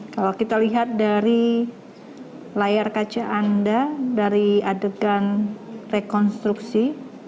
kalau kita lihat dari layar kaca anda dari adegan rekonstruksi